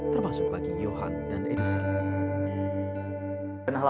termasuk bagi johan dan edison